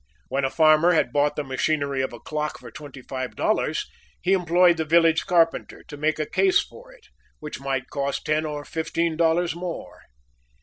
When a farmer had bought the machinery of a clock for twenty five dollars, he employed the village carpenter to make a case for it, which might cost ten or fifteen dollars more.